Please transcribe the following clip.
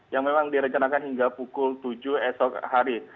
yang memang direncanakan hingga pukul tujuh esok hari